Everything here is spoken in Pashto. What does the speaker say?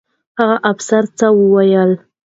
هغه افسر څه وویل؟